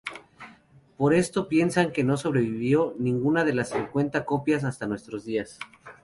Por esto piensan que no sobrevivió ninguna de las cincuenta copias hasta nuestros días.